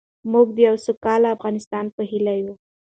موږ د یو سوکاله افغانستان په هیله یو.